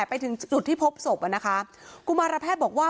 ไปถึงจุดที่พบศพอ่ะนะคะกุมารแพทย์บอกว่า